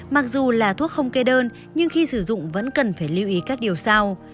mặc dù là thuốc không kê đơn nhưng khi sử dụng vẫn cần phải lưu ý các điều sau